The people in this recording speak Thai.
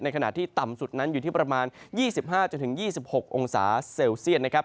ขณะที่ต่ำสุดนั้นอยู่ที่ประมาณ๒๕๒๖องศาเซลเซียตนะครับ